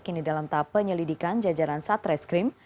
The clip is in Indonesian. kini dalam tahap penyelidikan jajaran satreskrim